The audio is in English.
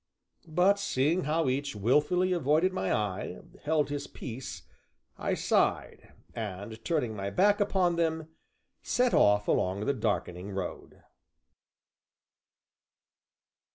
But, seeing how each, wilfully avoiding my eye, held his peace, I sighed, and turning my back upon them, set off along the darkening road.